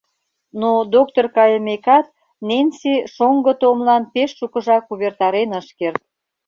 Но доктыр кайымекат Ненси Шоҥго Томлан пеш шукыжак увертарен ыш керт.